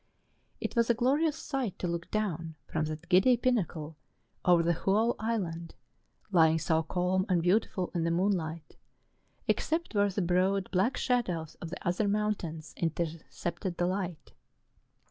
It was a glorious sight to look down from that giddy pinnacle over the whole island, lying so calm and beautiful in the moonlight, except where the broad, black shadows of the other mountains intercepted the light.